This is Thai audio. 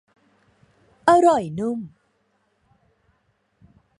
อร่อยนุ่ม